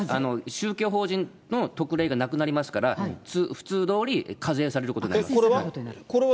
宗教法人の特例がなくなりますから、普通どおり、課税されるこれは？